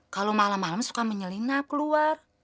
kalau malam malam suka menyelinap keluar